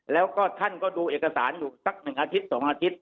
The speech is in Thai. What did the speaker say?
แล้วก็ท่านก็ดูเอกสารอยู่สัก๑อาทิตย์๒อาทิตย์